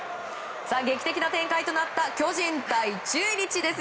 劇的な展開となった巨人対中日です。